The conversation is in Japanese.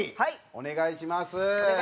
お願いします。